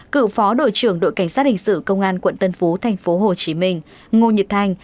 cựu phó đội trưởng đội cảnh sát hình sự công an quận tân phú tp hcm ngô nhật thành